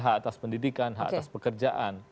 hak atas pendidikan hak atas pekerjaan